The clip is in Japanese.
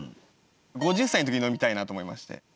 ５０歳の時飲みたいなと思いまして。